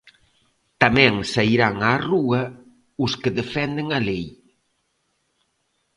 Tamén sairán á rúa os que defenden a lei.